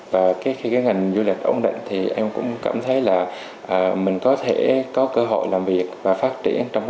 và ngành du lịch ổn định thì em cũng cảm thấy là mình có cơ hội làm việc và phát triển trong